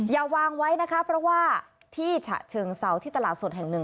อย่าวางไว้นะคะเพราะว่าที่ฉะเชิงเซาที่ตลาดสดแห่งหนึ่ง